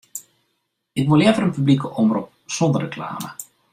Ik wol leaver in publike omrop sonder reklame.